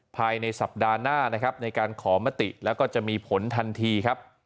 ภายในสัปดาห์หน้านะครับในการขอมติแล้วก็จะมีผลทันทีครับ